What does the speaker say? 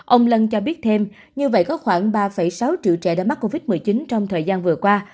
ông lân cho biết thêm như vậy có khoảng ba sáu triệu trẻ đã mắc covid một mươi chín trong thời gian vừa qua